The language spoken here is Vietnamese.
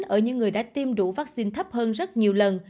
ở những người đã tiêm đủ vaccine thấp hơn rất nhiều lần